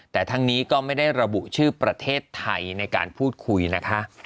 แต่ทั้งนี้ก็ไม่ได้ระบุชื่อประเทศไทยในการพูดคุยนะคะ